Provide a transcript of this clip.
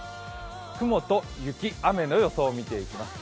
雲と雪、雨の予想を見ていきます。